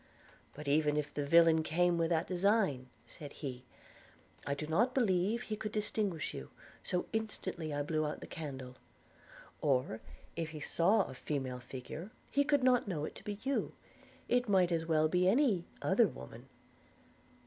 'But even if the villain came with that design,' said he, 'I do not believe he could distinguish you, so instantly I blew out the candle: or, if he saw a female figure, he could not know it to be you; it might as well be as any other woman.'